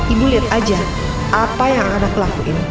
ibu lihat aja apa yang akan aku lakuin